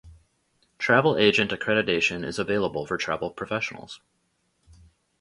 Travel Agent accreditation is available for travel professionals.